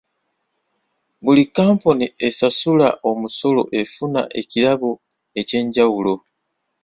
Buli kkampuni esasula omusolo efuna ekirabo eky'enjawulo.